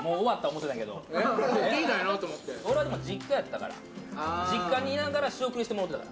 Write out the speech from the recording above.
俺は実家やったから実家にいながら仕送りしてもろてたから。